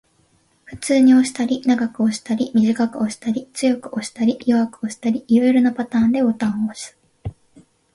普通に押したり、長く押したり、短く押したり、強く押したり、弱く押したり、色々なパターンでボタンを押す